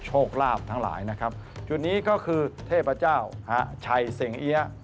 โชคลาภทั้งหลายนะครับจุดนี้ก็คือเทพเจ้าฮะชัยเสงเอี๊ยะ